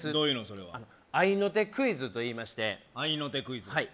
それは合いの手クイズといいまして合いの手クイズはい